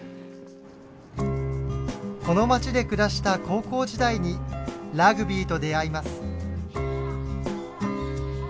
この街で暮らした高校時代にラグビーと出会います。